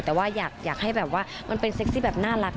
แต่ว่าอยากให้แบบว่ามันเป็นเซ็กซี่แบบน่ารัก